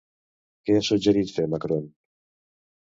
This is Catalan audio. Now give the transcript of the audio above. Què ha suggerit fer Macron?